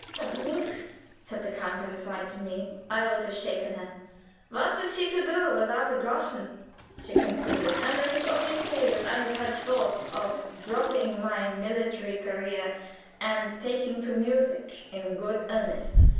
"The minx!" said the countess aside to me. "I would have shaken her!" "'What was she to do without a groschen?' she concluded, and I could only say that I had had thoughts of dropping my military career and taking to music in good earnest.